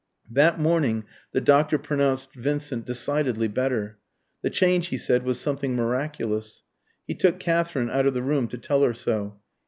That morning the doctor pronounced Vincent decidedly better. The change, he said, was something miraculous. He took Katherine out of the room to tell her so.